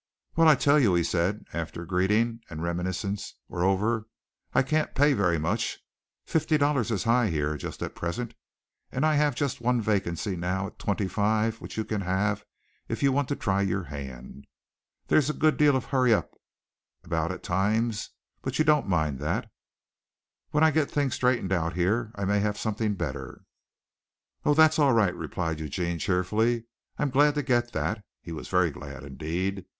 "Well, I'll tell you," he said, after greeting and reminiscences were over, "I can't pay very much fifty dollars is high here just at present, and I have just one vacancy now at twenty five which you can have if you want to try your hand. There's a good deal of hurry up about at times, but you don't mind that. When I get things straightened out here I may have something better." "Oh, that's all right," replied Eugene cheerfully. "I'm glad to get that." (He was very glad indeed.)